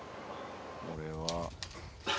これは。